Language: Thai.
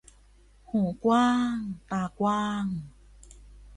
หูกว้างตากว้าง